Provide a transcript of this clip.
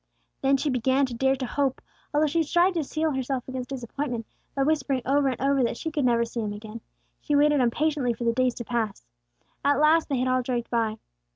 Then she began to dare to hope; although she tried to steel herself against disappointment, by whispering over and over that she could never see him again, she waited impatiently for the days to pass. At last they had all dragged by.